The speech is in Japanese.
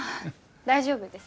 大丈夫です